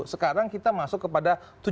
sekarang kita masuk kepada